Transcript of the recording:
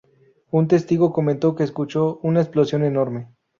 Un testigo comentó que escuchó "una explosión enorme.